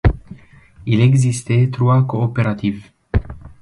Il existait trois coopératives.